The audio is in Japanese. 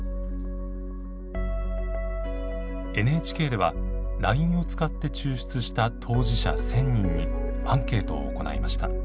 ＮＨＫではＬＩＮＥを使って抽出した当事者１，０００人にアンケートを行いました。